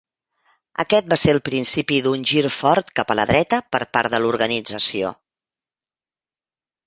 Aquest va ser el principi d'un gir fort cap a la dreta per part de l'organització.